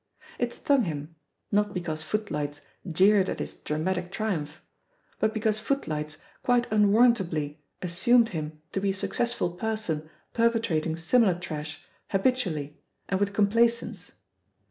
It stimg him, not because "Footlights" jeered at his "dramatic triumph," but because "Footlights'^ quite unwarrantably assumed him to be a suc cessful person perpetrating similar trash habit ually, and with complacence.